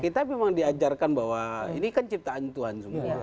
kita memang diajarkan bahwa ini kan ciptaan tuhan semua